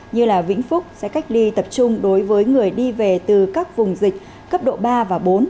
như vĩnh phúc sẽ cách ly tập trung đối với người đi về từ các vùng dịch cấp độ ba và bốn